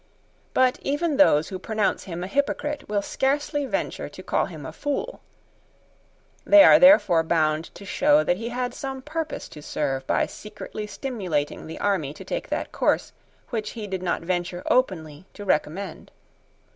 But even those who pronounce him a hypocrite will scarcely venture to call him a fool. They are therefore bound to show that he had some purpose to serve by secretly stimulating the army to take that course which he did not venture openly to recommend.